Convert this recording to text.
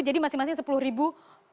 jadi masing masing sepuluh ribu